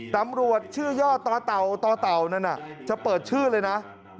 ตำรวจชื่อย่อต่อเต่าต่อเต่านั้นจะเปิดชื่อเลยนะ